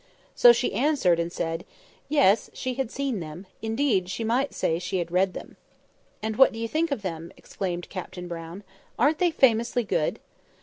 So she answered and said, "Yes, she had seen them; indeed, she might say she had read them." "And what do you think of them?" exclaimed Captain Brown. "Aren't they famously good?"